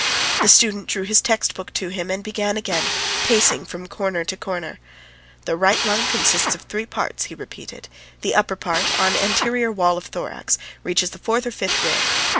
The student drew his textbook to him and began again pacing from corner to corner. "The right lung consists of three parts," he repeated; "the upper part, on anterior wall of thorax, reaches the fourth or fifth rib